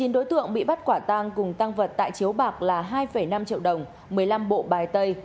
một mươi chín đối tượng bị bắt quả tàng cùng tăng vật tại chiếu bạc là hai năm triệu đồng một mươi năm bộ bài tây